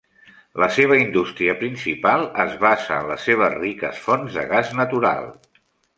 La seva indústria principal es basa en les seves riques fonts de gas natural.